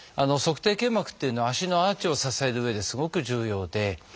足底腱膜っていうのは足のアーチを支えるうえですごく重要で。